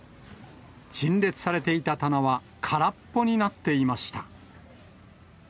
陳列されていた棚は空っぽになっていました。